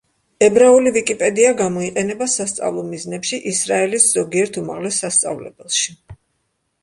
ებრაული ვიკიპედია გამოიყენება სასწავლო მიზნებში ისრაელის ზოგიერთ უმაღლეს სასწავლებელში.